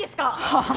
はあ？